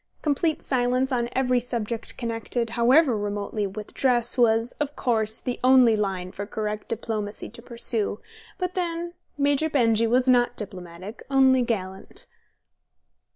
Complete silence on every subject connected, however remotely, with dress was, of course, the only line for correct diplomacy to pursue, but then Major Benjy was not diplomatic, only gallant.